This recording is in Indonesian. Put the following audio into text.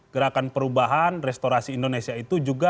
gerakan perubahan restorasi indonesia itu juga